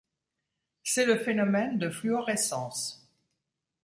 C'est le phénomène de fluorescence.